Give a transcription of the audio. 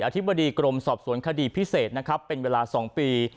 ธิบดีกรมสอบสวนคดีพิเศษนะครับเป็นเวลา๒ปี